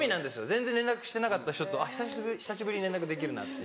全然連絡してなかった人と久しぶりに連絡できるなっていう。